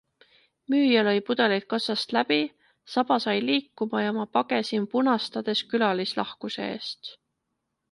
Müüja lõi pudelid kassast läbi, saba sai liikuma ja ma pagesin punastades külalislahkuse eest.